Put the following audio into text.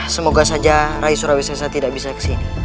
semoga saja rai surawis sesa tidak bisa ke sini